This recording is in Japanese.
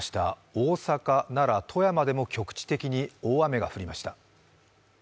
大阪、奈良、富山でも局地的に大雨が降りました。